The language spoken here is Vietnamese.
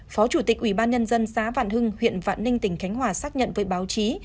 phó chủ tịch ubnd xã vạn hưng huyện vạn ninh tỉnh khánh hòa xác nhận với báo chí